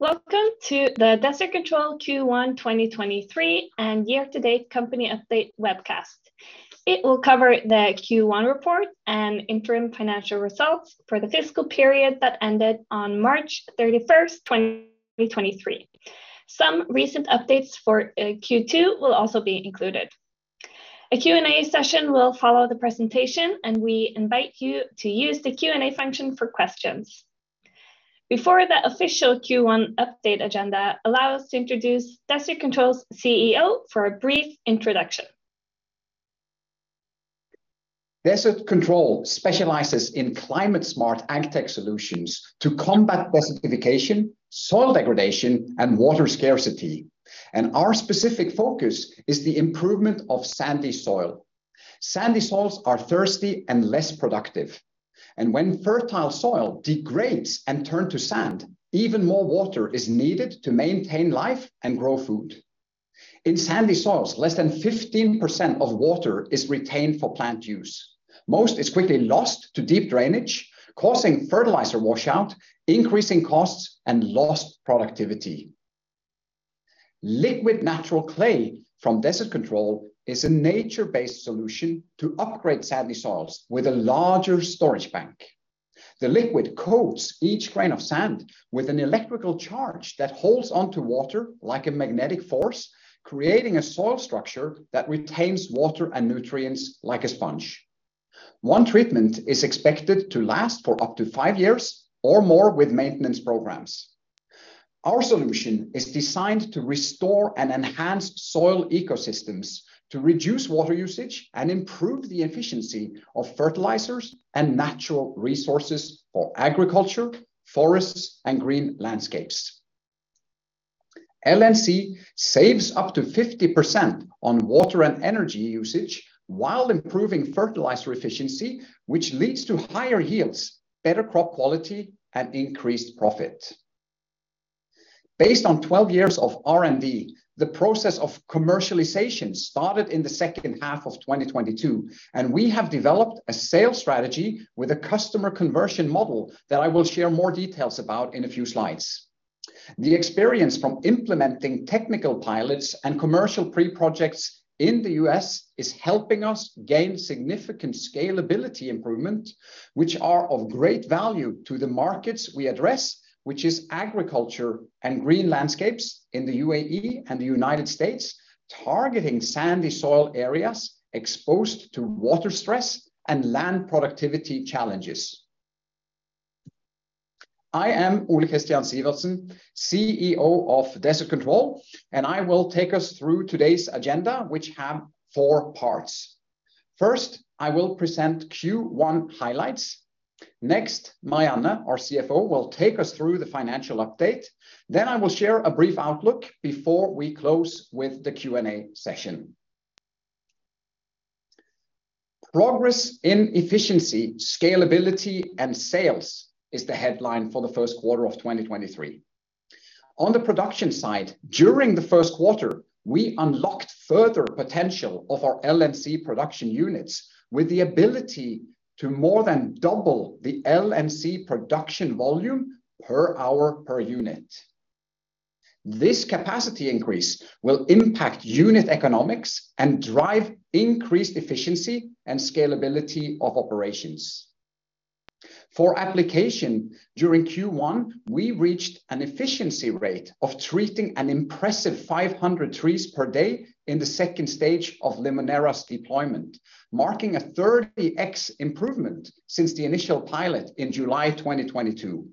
Welcome to the Desert Control Q1, 2023 and year-to-date company update webcast. It will cover the Q1 report and interim financial results for the fiscal period that ended on March 31st, 2023. Some recent updates for Q2 will also be included. A Q&A session will follow the presentation, and we invite you to use the Q&A function for questions. Before the official Q1 update agenda, allow us to introduce Desert Control's CEO for a brief introduction. Desert Control specializes in climate-smart ag tech solutions to combat desertification, soil degradation, and water scarcity, and our specific focus is the improvement of sandy soil. Sandy soils are thirsty and less productive, and when fertile soil degrades and turn to sand, even more water is needed to maintain life and grow food. In sandy soils, less than 15% of water is retained for plant use. Most is quickly lost to deep drainage, causing fertilizer washout, increasing costs, and lost productivity. Liquid Natural Clay from Desert Control is a nature-based solution to upgrade sandy soils with a larger storage bank. The liquid coats each grain of sand with an electrical charge that holds onto water like a magnetic force, creating a soil structure that retains water and nutrients like a sponge. One treatment is expected to last for up to five years or more with maintenance programs. Our solution is designed to restore and enhance soil ecosystems, to reduce water usage, and improve the efficiency of fertilizers and natural resources for agriculture, forests, and green landscapes. LNC saves up to 50% on water and energy usage while improving fertilizer efficiency, which leads to higher yields, better crop quality, and increased profit. Based on 12 years of R&D, the process of commercialization started in the second half of 2022, and we have developed a sales strategy with a customer conversion model that I will share more details about in a few slides. The experience from implementing technical pilots and commercial pre-projects in the U.S. is helping us gain significant scalability improvement, which are of great value to the markets we address, which is agriculture and green landscapes in the UAE and the United States, targeting sandy soil areas exposed to water stress and land productivity challenges. I am Ole Kristian Sivertsen, CEO of Desert Control. I will take us through today's agenda, which have four parts. First, I will present Q1 highlights. Next, Marianne, our CFO, will take us through the financial update. I will share a brief outlook before we close with the Q&A session. Progress in efficiency, scalability, and sales is the headline for the first quarter of 2023. On the production side, during the first quarter, we unlocked further potential of our LNC production units, with the ability to more than double the LNC production volume per hour per unit. This capacity increase will impact unit economics and drive increased efficiency and scalability of operations. For application, during Q1, we reached an efficiency rate of treating an impressive 500 trees per day in the second stage of Limoneira's deployment, marking a 30x improvement since the initial pilot in July 2022.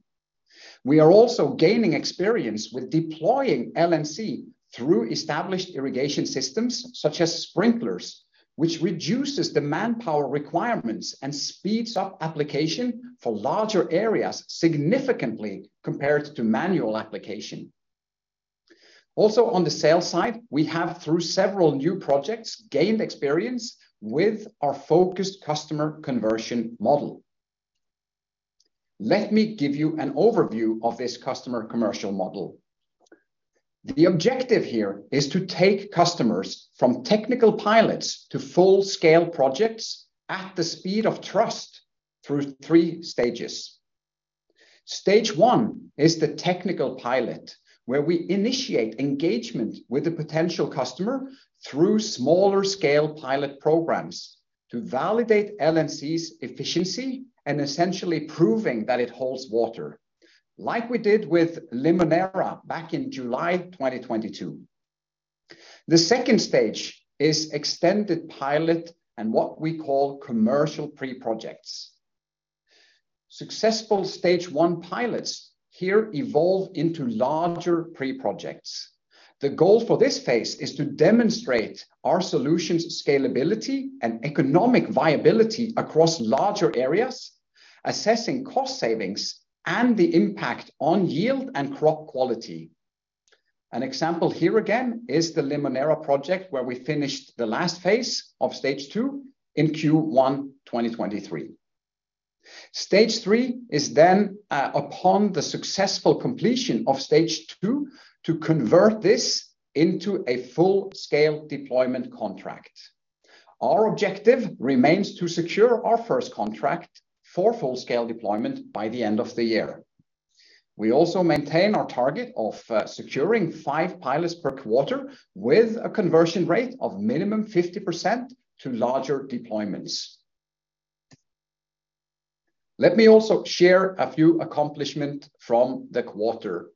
We are also gaining experience with deploying LNC through established irrigation systems, such as sprinklers, which reduces the manpower requirements and speeds up application for larger areas, significantly compared to manual application. On the sales side, we have, through several new projects, gained experience with our focused customer conversion model. Let me give you an overview of this customer commercial model. The objective here is to take customers from technical pilots to full-scale projects at the speed of trust through three stages. Stage 1 is the technical pilot, where we initiate engagement with the potential customer through smaller scale pilot programs to validate LNC's efficiency and essentially proving that it holds water, like we did with Limoneira back in July 2022. The second stage is extended pilot and what we call commercial pre-projects. Successful Stage 1 pilots here evolve into larger pre-projects. The goal for this phase is to demonstrate our solution's scalability and economic viability across larger areas, assessing cost savings and the impact on yield and crop quality. An example here again is the Limoneira project, where we finished the last phase of Stage 2 in Q1 2023. Stage 3 is upon the successful completion of Stage 2, to convert this into a full-scale deployment contract. Our objective remains to secure our first contract for full-scale deployment by the end of the year. We also maintain our target of securing five pilots per quarter, with a conversion rate of minimum 50% to larger deployments. Let me also share a few accomplishment from the quarter.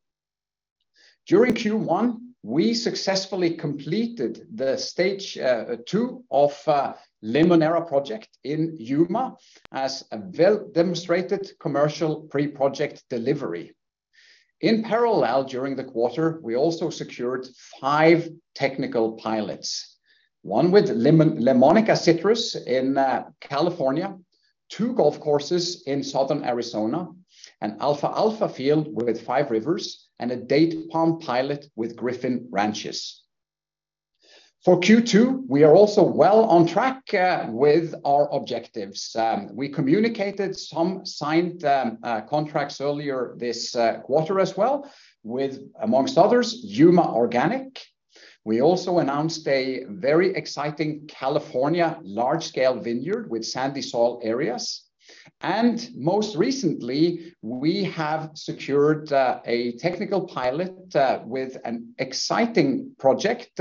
During Q1, we successfully completed the stage 2 of Limoneira project in Yuma as a well-demonstrated commercial pre-project delivery. In parallel, during the quarter, we also secured five technical pilots, one with Lemonica Citrus in California, two golf courses in Southern Arizona, an alfalfa field with Five Rivers, and a date palm pilot with Griffin Ranches. For Q2, we are also well on track with our objectives. We communicated some signed contracts earlier this quarter as well with, amongst others, Yuma Organic. We also announced a very exciting California large-scale vineyard with sandy soil areas. Most recently, we have secured a technical pilot with an exciting project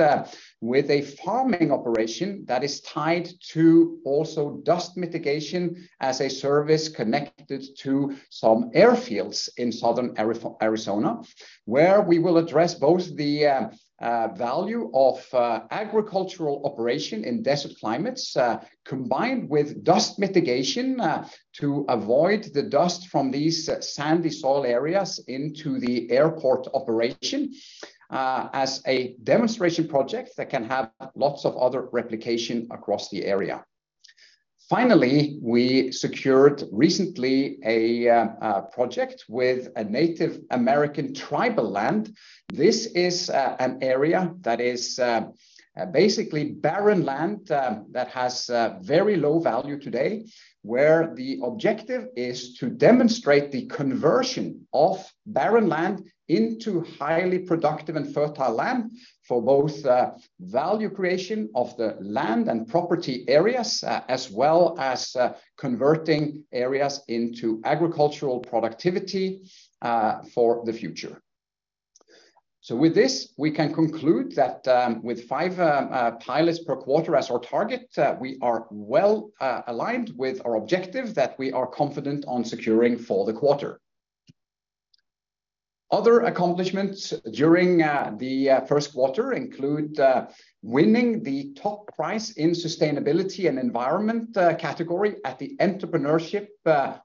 with a farming operation that is tied to also dust mitigation as a service connected to some airfields in Southern Arizona, where we will address both the value of agricultural operation in desert climates combined with dust mitigation to avoid the dust from these sandy soil areas into the airport operation as a demonstration project that can have lots of other replication across the area. Finally, we secured recently a project with a Native American tribal land. This is an area that is basically barren land that has very low value today, where the objective is to demonstrate the conversion of barren land into highly productive and fertile land for both value creation of the land and property areas as well as converting areas into agricultural productivity for the future. With this, we can conclude that, with five pilots per quarter as our target, we are well aligned with our objective, that we are confident on securing for the quarter. Other accomplishments during the first quarter include winning the top prize in sustainability and environment category at the Entrepreneurship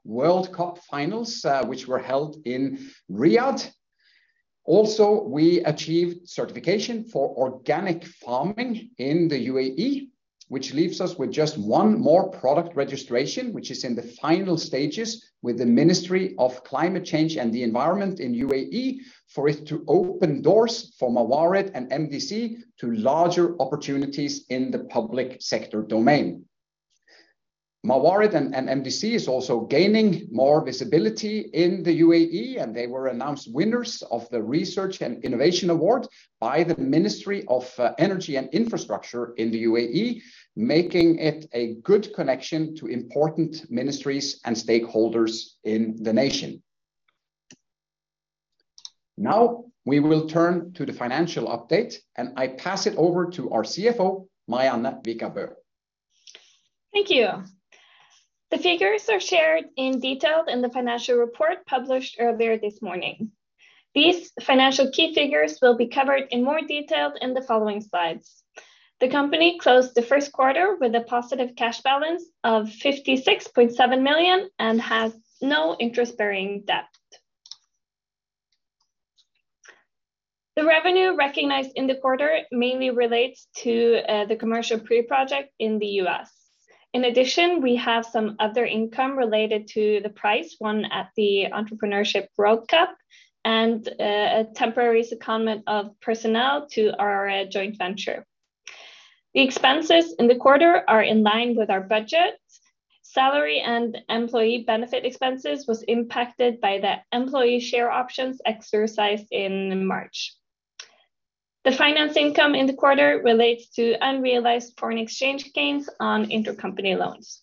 World Cup Finals, which were held in Riyadh. We achieved certification for organic farming in the UAE, which leaves us with just one more product registration, which is in the final stages with the Ministry of Climate Change and Environment, for it to open doors for Mawarid and MDC to larger opportunities in the public sector domain. Mawarid and MDC is also gaining more visibility in the UAE, and they were announced winners of the Research and Innovation Award by the Ministry of Energy and Infrastructure, making it a good connection to important ministries and stakeholders in the nation. We will turn to the financial update, and I pass it over to our CFO, Marianne Vika Bøe. Thank you. The figures are shared in detail in the financial report published earlier this morning. These financial key figures will be covered in more detail in the following slides. The company closed the first quarter with a positive cash balance of 56.7 million, and has no interest-bearing debt. The revenue recognized in the quarter mainly relates to the commercial pre-project in the US. In addition, we have some other income related to the prize won at the Entrepreneurship World Cup and a temporary secondment of personnel to our joint venture. The expenses in the quarter are in line with our budget. Salary and employee benefit expenses was impacted by the employee share options exercised in March. The finance income in the quarter relates to unrealized foreign exchange gains on intercompany loans.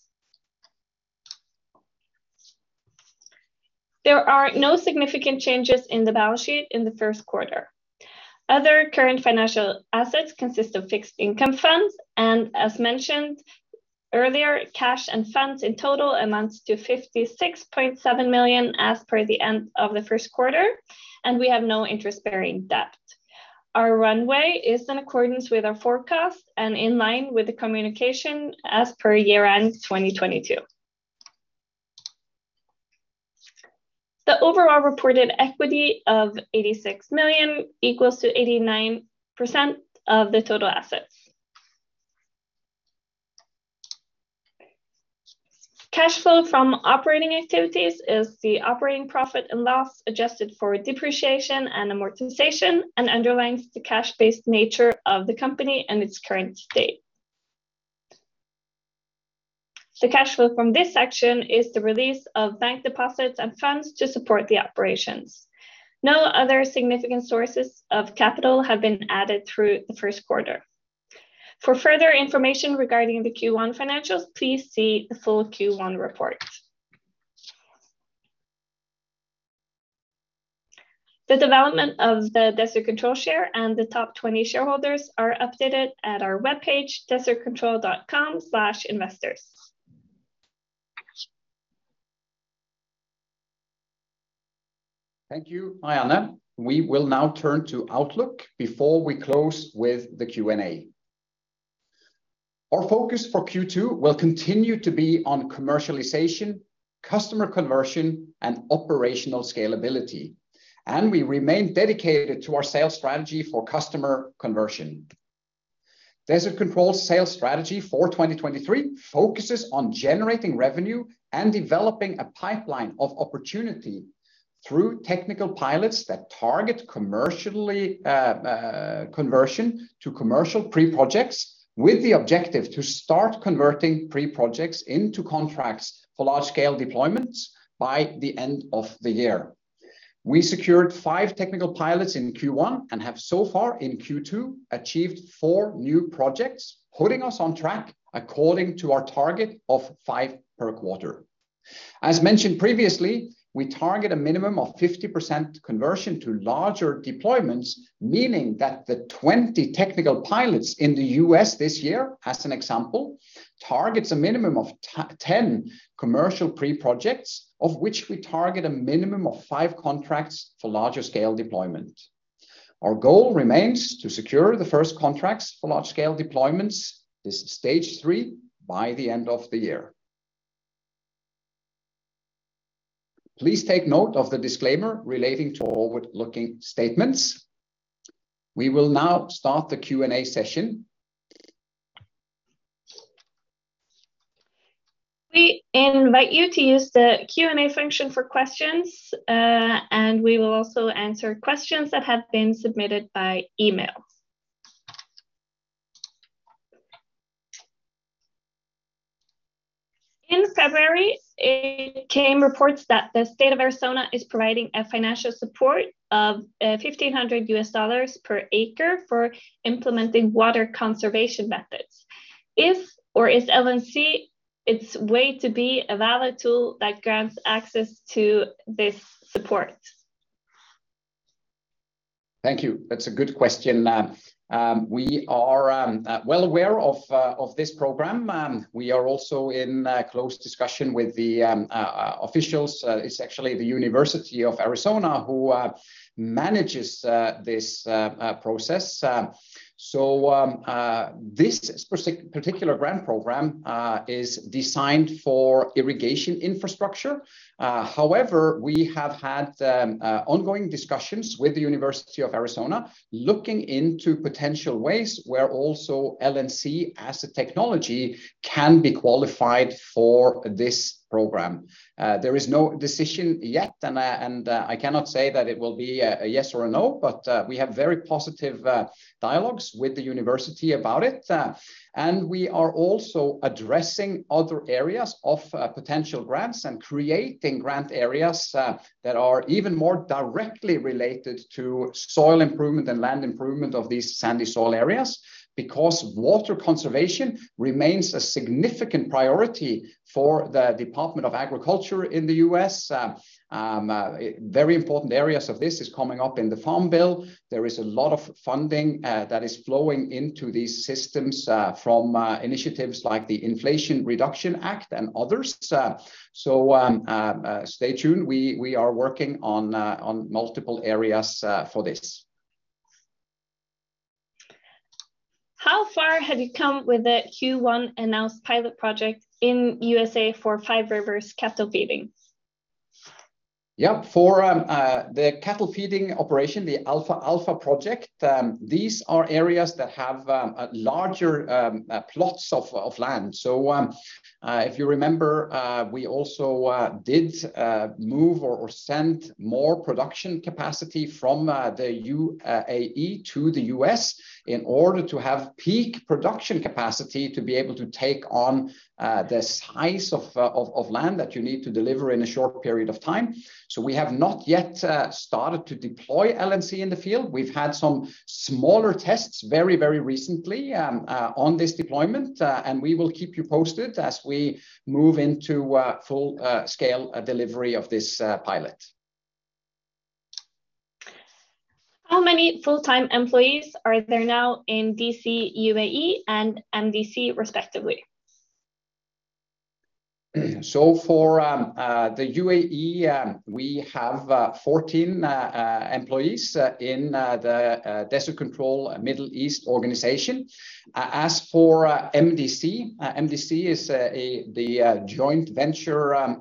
There are no significant changes in the balance sheet in the first quarter. Other current financial assets consist of fixed income funds, and as mentioned earlier, cash and funds in total amounts to 56.7 million as per the end of the first quarter, and we have no interest-bearing debt. Our runway is in accordance with our forecast and in line with the communication as per year-end 2022. The overall reported equity of 86 million equals to 89% of the total assets. Cash flow from operating activities is the operating profit and loss, adjusted for depreciation and amortization, and underlines the cash-based nature of the company and its current state. The cash flow from this section is the release of bank deposits and funds to support the operations. No other significant sources of capital have been added through the first quarter. For further information regarding the Q1 financials, please see the full Q1 report. The development of the Desert Control share and the top 20 shareholders are updated at our webpage, desertcontrol.com/investors. Thank you, Marianne. We will now turn to Outlook before we close with the Q&A. Our focus for Q2 will continue to be on commercialization, customer conversion, and operational scalability. We remain dedicated to our sales strategy for customer conversion. Desert Control sales strategy for 2023 focuses on generating revenue and developing a pipeline of opportunity through technical pilots that target commercially conversion to commercial pre-projects, with the objective to start converting pre-projects into contracts for large-scale deployments by the end of the year. We secured five technical pilots in Q1. We have so far in Q2, achieved four new projects, putting us on track according to our target of five per quarter. As mentioned previously, we target a minimum of 50% conversion to larger deployments, meaning that the 20 technical pilots in the U.S. this year, as an example, targets a minimum of 10 commercial pre-projects, of which we target a minimum of five contracts for larger scale deployment. Our goal remains to secure the first contracts for large-scale deployments, this is Stage 3, by the end of the year. Please take note of the disclaimer relating to forward-looking statements. We will now start the Q&A session. We invite you to use the Q&A function for questions, and we will also answer questions that have been submitted by email. In February, it came reports that the State of Arizona is providing a financial support of $1,500 per acre for implementing water conservation methods. If or is LNC, its way to be a valid tool that grants access to this support? Thank you. That's a good question. We are well aware of this program. We are also in close discussion with the officials. It's actually the University of Arizona who manages this process. This particular grant program is designed for irrigation infrastructure. However, we have had ongoing discussions with the University of Arizona, looking into potential ways where also LNC as a technology can be qualified for this program. There is no decision yet, I cannot say that it will be a yes or a no. We have very positive dialogues with the university about it, and we are also addressing other areas of potential grants and creating grant areas that are even more directly related to soil improvement and land improvement of these sandy soil areas. Water conservation remains a significant priority for the United States Department of Agriculture. Very important areas of this is coming up in the Farm Bill. There is a lot of funding that is flowing into these systems from initiatives like the Inflation Reduction Act and others. Stay tuned, we are working on multiple areas for this. How far have you come with the Q1 announced pilot project in USA for Five Rivers Cattle Feeding? Yep. For the cattle feeding operation, the Alfalfa project, these are areas that have larger plots of land. If you remember, we also did move or send more production capacity from the UAE to the U.S. in order to have peak production capacity to be able to take on the size of land that you need to deliver in a short period of time. We have not yet started to deploy LNC in the field. We've had some smaller tests very, very recently on this deployment, and we will keep you posted as we move into full scale delivery of this pilot. How many full-time employees are there now in DC, UAE, and MDC respectively? For the UAE, we have 14 employees in the Desert Control Middle East organization. For MDC is the joint venture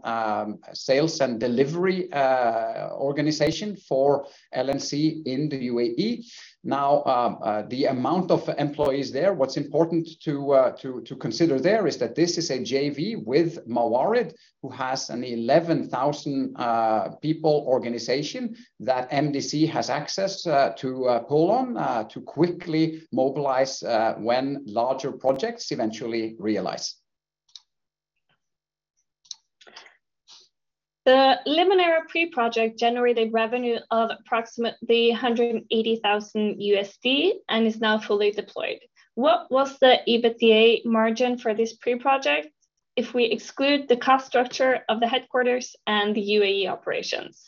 sales and delivery organization for LNC in the UAE. The amount of employees there, what's important to consider there is that this is a JV with Mawarid, who has an 11,000 people organization that MDC has access to pull on to quickly mobilize when larger projects eventually realize. The Limoneira pre-project generated revenue of approximately $180,000 and is now fully deployed. What was the EBITDA margin for this pre-project if we exclude the cost structure of the headquarters and the UAE operations?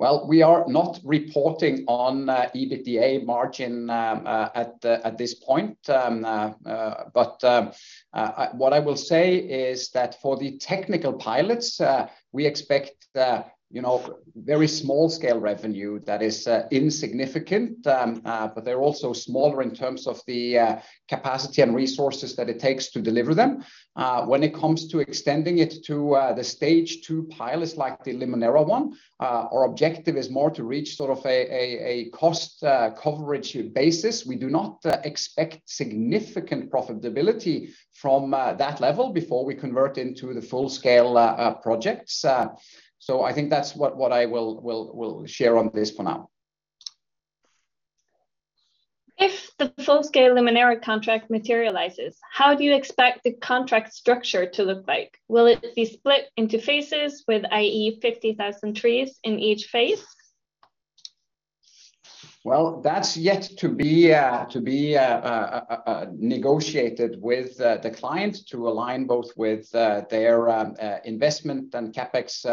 Well, we are not reporting on EBITDA margin at this point. What I will say is that for the technical pilots, we expect, you know, very small-scale revenue that is insignificant. They're also smaller in terms of the capacity and resources that it takes to deliver them. When it comes to extending it to the Stage 2 pilots, like the Limoneira one, our objective is more to reach sort of a cost coverage basis. We do not expect significant profitability from that level before we convert into the full-scale projects. I think that's what I will share on this for now. If the full-scale Limoneira contract materializes, how do you expect the contract structure to look like? Will it be split into phases with, i.e., 50,000 trees in each phase? Well, that's yet to be negotiated with the client to align both with their investment and CapEx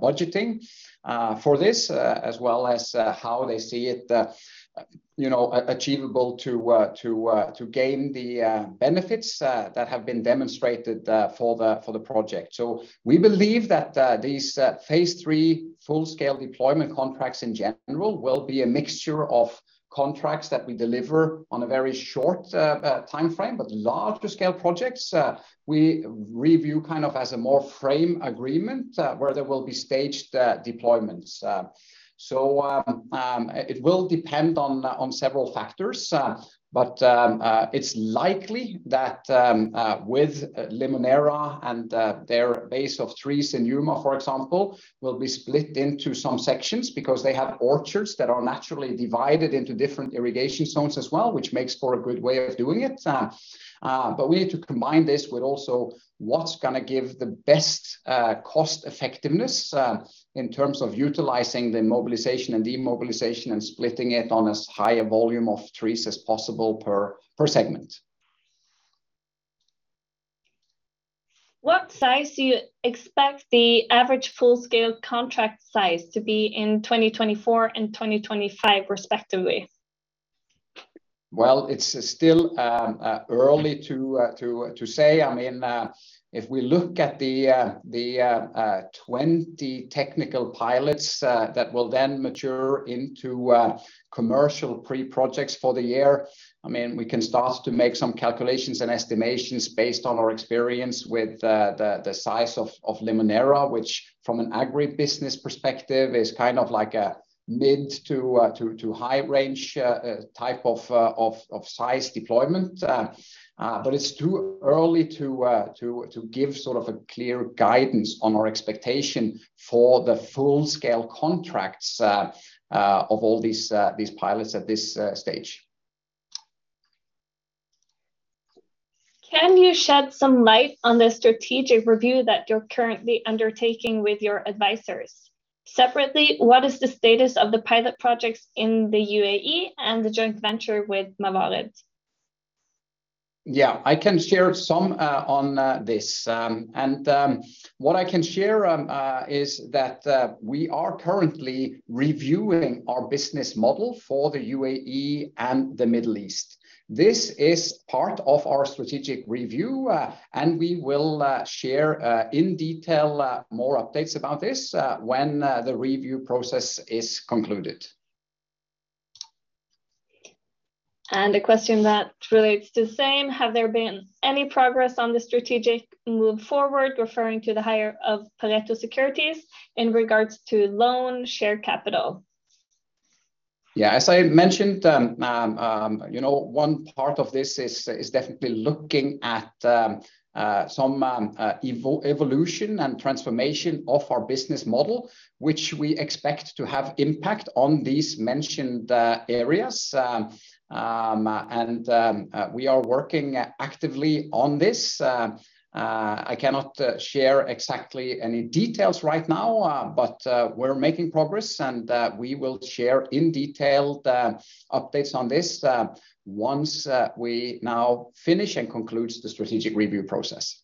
budgeting for this, as well as how they see it, you know, achievable to gain the benefits that have been demonstrated for the project. We believe that these phase III full-scale deployment contracts in general, will be a mixture of contracts that we deliver on a very short timeframe, but larger scale projects, we review kind of as a more frame agreement, where there will be staged deployments. It will depend on several factors, but it's likely that, with Limoneira and their base of trees in Yuma, for example, will be split into some sections because they have orchards that are naturally divided into different irrigation zones as well, which makes for a good way of doing it. We need to combine this with also what's gonna give the best cost-effectiveness in terms of utilizing the mobilization and demobilization, and splitting it on as high a volume of trees as possible per segment. What size do you expect the average full-scale contract size to be in 2024 and 2025 respectively? It's still early to say. I mean, if we look at the 20 technical pilots that will then mature into commercial pre-projects for the year, I mean, we can start to make some calculations and estimations based on our experience with the size of Limoneira, which, from an agribusiness perspective, is kind of like a mid to high range type of size deployment. It's too early to give sort of a clear guidance on our expectation for the full-scale contracts of all these pilots at this stage. Can you shed some light on the strategic review that you're currently undertaking with your advisors? Separately, what is the status of the pilot projects in the UAE and the joint venture with Mawarid? Yeah, I can share some on this. What I can share is that we are currently reviewing our business model for the UAE and the Middle East. This is part of our strategic review, and we will share in detail more updates about this when the review process is concluded. A question that relates to the same: Have there been any progress on the strategic move forward, referring to the hire of Pareto Securities in regards to loan share capital? Yeah, as I mentioned, you know, one part of this is definitely looking at some evolution and transformation of our business model, which we expect to have impact on these mentioned areas. We are working actively on this. I cannot share exactly any details right now, but we're making progress, and we will share in detail the updates on this once we now finish and concludes the strategic review process.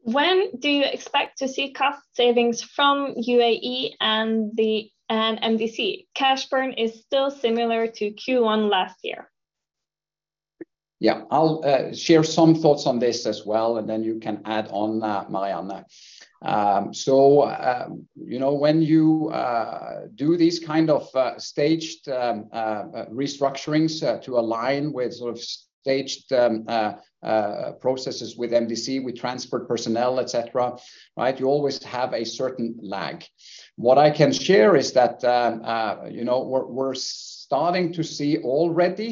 When do you expect to see cost savings from UAE and MDC? Cash burn is still similar to Q1 last year. Yeah. I'll share some thoughts on this as well, and then you can add on, Marianne. You know, when you do these kind of staged restructurings to align with sort of staged processes with MDC, with transport personnel, et cetera, right, you always have a certain lag. What I can share is that, you know, we're starting to see already,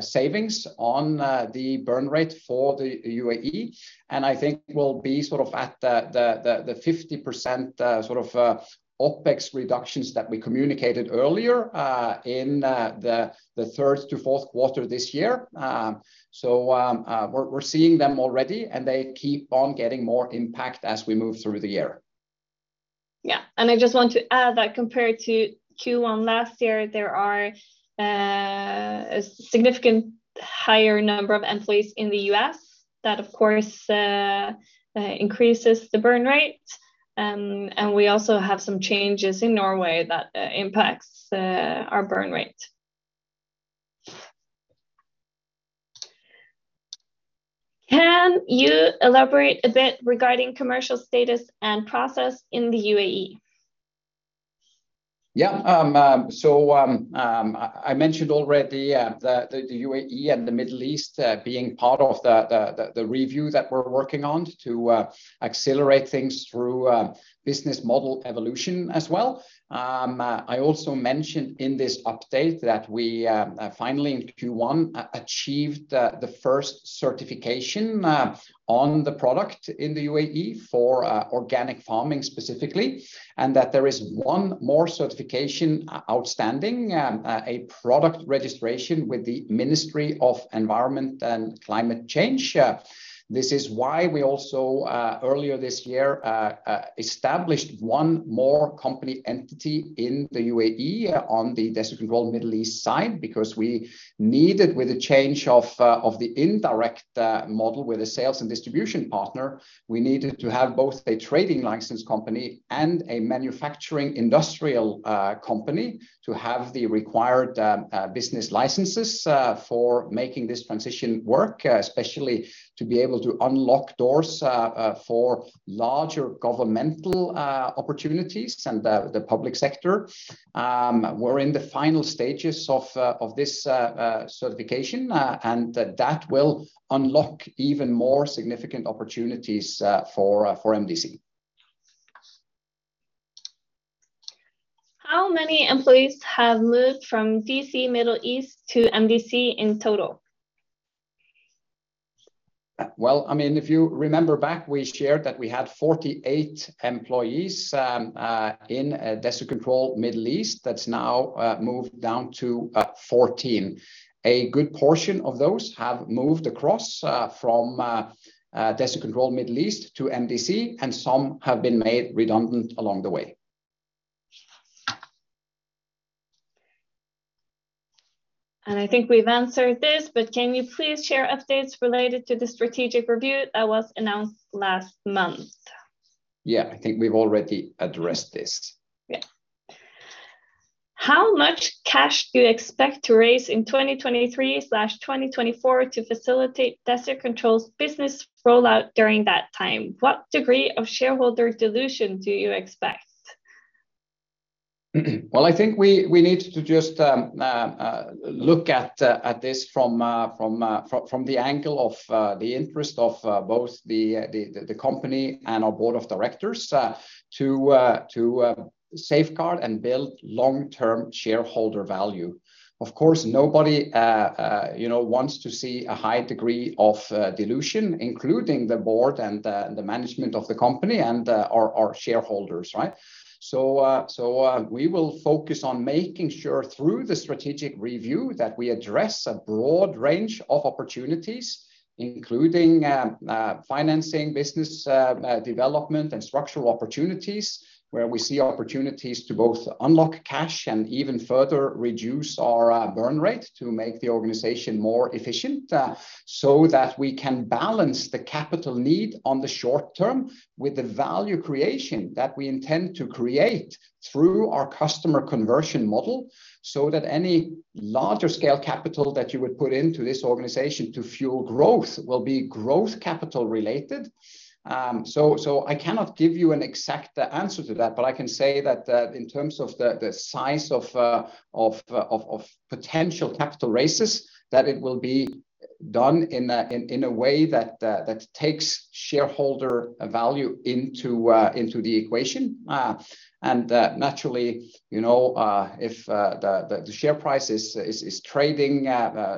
savings on the burn rate for the UAE, and I think we'll be sort of at the 50% sort of OpEx reductions that we communicated earlier, in the third to fourth quarter this year. We're seeing them already, and they keep on getting more impact as we move through the year. I just want to add that compared to Q1 last year, there are a significant higher number of employees in the U.S. That, of course, increases the burn rate. We also have some changes in Norway that impacts our burn rate. Can you elaborate a bit regarding commercial status and process in the UAE? I mentioned already the UAE and the Middle East being part of the review that we're working on to accelerate things through business model evolution as well. I also mentioned in this update that we finally in Q1 achieved the first certification on the product in the UAE for organic farming specifically. That there is one more certification outstanding, a product registration with the Ministry of Climate Change and Environment. This is why we also earlier this year established one more company entity in the UAE on the Desert Control Middle East side, because we needed, with a change of the indirect model with a sales and distribution partner, we needed to have both a trading license company and a manufacturing industrial company to have the required business licenses for making this transition work, especially to be able to unlock doors for larger governmental opportunities and the public sector. We're in the final stages of this certification, and that will unlock even more significant opportunities for MDC. How many employees have moved from DC Middle East to MDC in total? Well, I mean, if you remember back, we shared that we had 48 employees, in Desert Control Middle East. That's now moved down to 14. A good portion of those have moved across, from Desert Control Middle East to MDC, and some have been made redundant along the way. I think we've answered this, but can you please share updates related to the strategic review that was announced last month? Yeah, I think we've already addressed this. Yeah. How much cash do you expect to raise in 2023 slash 2024 to facilitate Desert Control's business rollout during that time? What degree of shareholder dilution do you expect? Well, I think we need to just look at this from the angle of the interest of both the company and our board of directors to safeguard and build long-term shareholder value. Of course, nobody, you know, wants to see a high degree of dilution, including the board and the management of the company and our shareholders, right? We will focus on making sure through the strategic review that we address a broad range of opportunities, including financing, business development, and structural opportunities, where we see opportunities to both unlock cash and even further reduce our burn rate to make the organization more efficient so that we can balance the capital need on the short term with the value creation that we intend to create through our customer conversion model, so that any larger scale capital that you would put into this organization to fuel growth will be growth capital related. I cannot give you an exact answer to that, but I can say that in terms of the size of potential capital raises, that it will be done in a way that takes shareholder value into the equation. Naturally, you know, if the share price is trading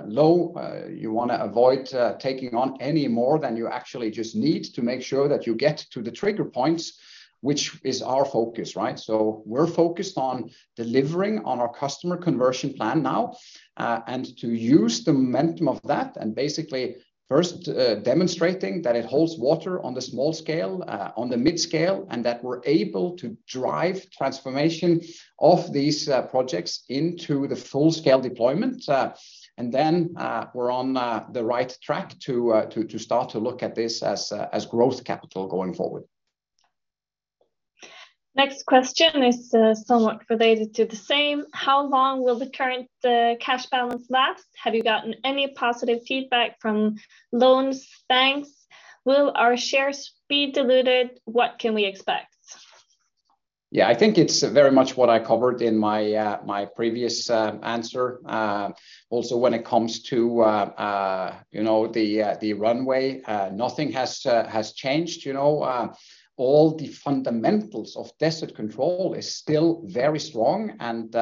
low, you want to avoid taking on any more than you actually just need to make sure that you get to the trigger points, which is our focus, right? We're focused on delivering on our customer conversion plan now, and to use the momentum of that, and basically, first, demonstrating that it holds water on the small scale, on the mid-scale, and that we're able to drive transformation of these projects into the full-scale deployment. We're on the right track to start to look at this as growth capital going forward. Next question is, somewhat related to the same. How long will the current cash balance last? Have you gotten any positive feedback from loans, banks? Will our shares be diluted? What can we expect? Yeah, I think it's very much what I covered in my previous, answer. Also, when it comes to, you know, the runway, nothing has changed. You know, all the fundamentals of Desert Control is still very strong, and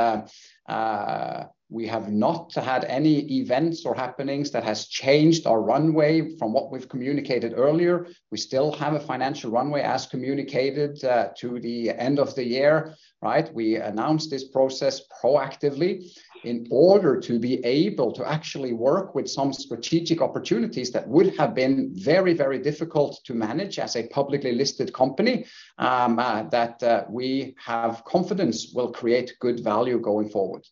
we have not had any events or happenings that has changed our runway from what we've communicated earlier. We still have a financial runway, as communicated, to the end of the year, right? We announced this process proactively in order to be able to actually work with some strategic opportunities that would have been very, very difficult to manage as a publicly listed company, that we have confidence will create good value going forward.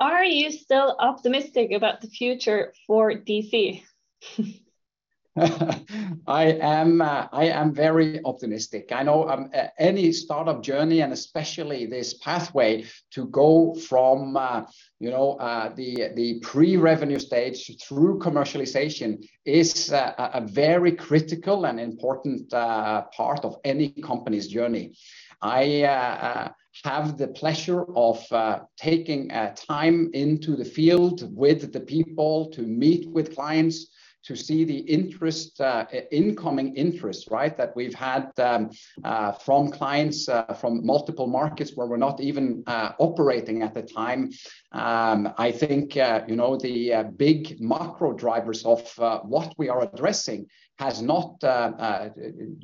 Are you still optimistic about the future for DC? I am very optimistic. I know, you know, the pre-revenue stage through commercialization is a very critical and important part of any company's journey. I have the pleasure of taking time into the field with the people to meet with clients, to see the incoming interest, right, that we've had from clients from multiple markets where we're not even operating at the time. I think, you know, the big macro drivers of what we are addressing has not,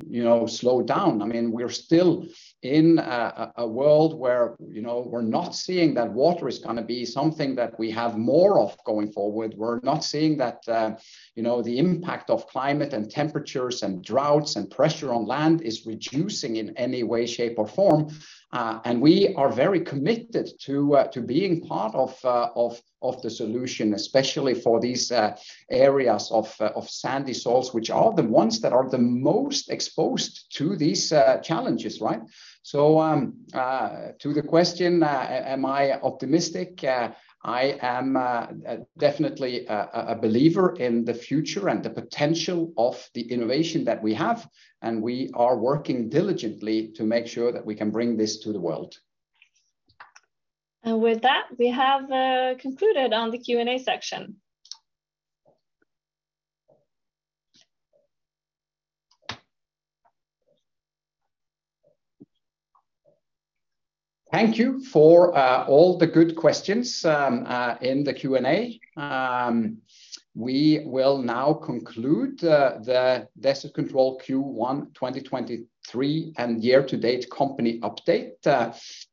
you know, slowed down. I mean, we're still in a world where, you know, we're not seeing that water is gonna be something that we have more of going forward. We're not seeing that, you know, the impact of climate, and temperatures, and droughts, and pressure on land is reducing in any way, shape, or form. We are very committed to being part of the solution, especially for these areas of sandy soils, which are the ones that are the most exposed to these challenges, right? To the question, am I optimistic? I am definitely a believer in the future and the potential of the innovation that we have. We are working diligently to make sure that we can bring this to the world. With that, we have concluded on the Q&A section. Thank you for all the good questions in the Q&A. We will now conclude the Desert Control Q1 2023, and year-to-date company update.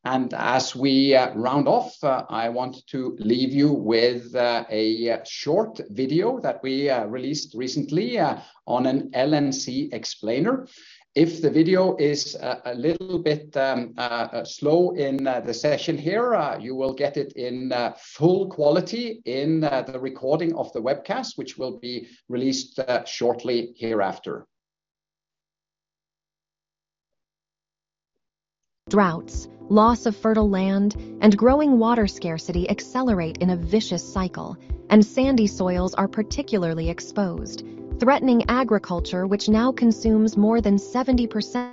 As we round off, I want to leave you with a short video that we released recently on an LNC explainer. If the video is a little bit slow in the session here, you will get it in full quality in the recording of the webcast, which will be released shortly hereafter. Droughts, loss of fertile land, and growing water scarcity accelerate in a vicious cycle, and sandy soils are particularly exposed, threatening agriculture, which now consumes more than 70%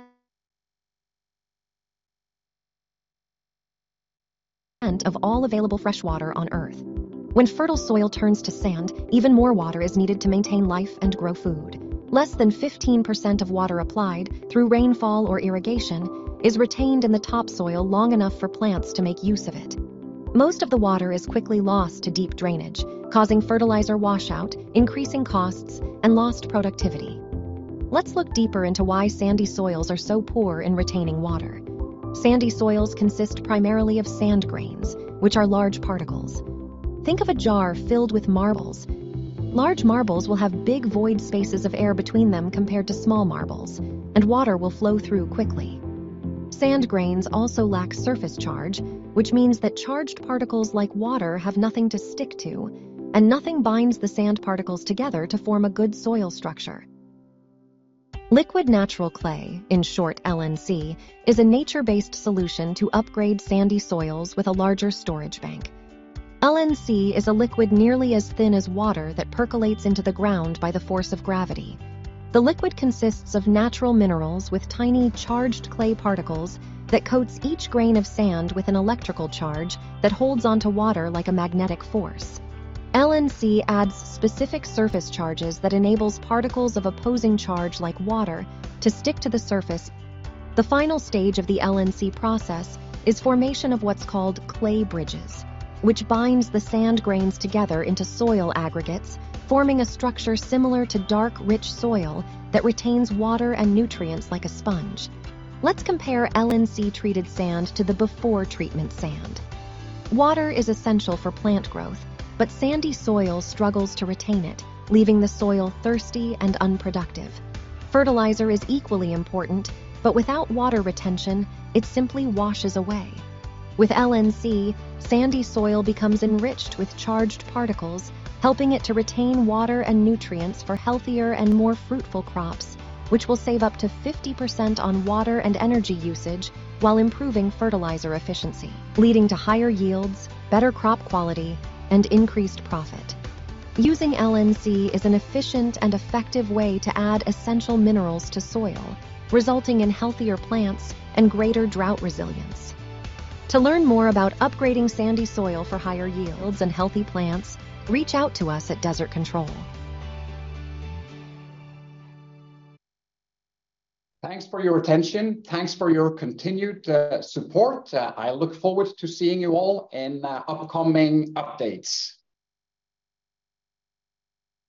of all available freshwater on Earth. When fertile soil turns to sand, even more water is needed to maintain life and grow food. Less than 15% of water applied through rainfall or irrigation is retained in the topsoil long enough for plants to make use of it. Most of the water is quickly lost to deep drainage, causing fertilizer washout, increasing costs, and lost productivity. Let's look deeper into why sandy soils are so poor in retaining water. Sandy soils consist primarily of sand grains, which are large particles. Think of a jar filled with marbles. Large marbles will have big void spaces of air between them compared to small marbles, and water will flow through quickly. Sand grains also lack surface charge, which means that charged particles like water have nothing to stick to, and nothing binds the sand particles together to form a good soil structure. Liquid Natural Clay, in short, LNC, is a nature-based solution to upgrade sandy soils with a larger storage bank. LNC is a liquid nearly as thin as water that percolates into the ground by the force of gravity. The liquid consists of natural minerals with tiny charged clay particles that coat each grain of sand with an electrical charge that holds onto water like a magnetic force. LNC adds specific surface charges that enable particles of opposing charge, like water, to stick to the surface. The final stage of the LNC process is formation of what's called clay bridges, which binds the sand grains together into soil aggregates, forming a structure similar to dark, rich soil that retains water and nutrients like a sponge. Let's compare LNC-treated sand to the before treatment sand. Water is essential for plant growth, sandy soil struggles to retain it, leaving the soil thirsty and unproductive. Fertilizer is equally important, without water retention, it simply washes away. With LNC, sandy soil becomes enriched with charged particles, helping it to retain water and nutrients for healthier and more fruitful crops, which will save up to 50% on water and energy usage while improving fertilizer efficiency, leading to higher yields, better crop quality, and increased profit. Using LNC is an efficient and effective way to add essential minerals to soil, resulting in healthier plants and greater drought resilience. To learn more about upgrading sandy soil for higher yields and healthy plants, reach out to us at Desert Control. Thanks for your attention. Thanks for your continued support. I look forward to seeing you all in upcoming updates.